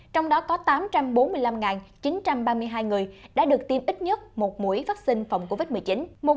trong đó có tám trăm bốn mươi năm chín trăm ba mươi hai người đã được tiêm ít nhất một mũi vaccine phòng covid một mươi chín